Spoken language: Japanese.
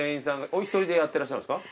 お一人でやってらっしゃるんですか？